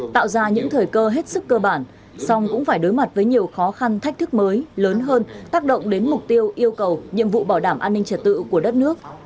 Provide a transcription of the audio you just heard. tạo ra những thời cơ hết sức cơ bản song cũng phải đối mặt với nhiều khó khăn thách thức mới lớn hơn tác động đến mục tiêu yêu cầu nhiệm vụ bảo đảm an ninh trật tự của đất nước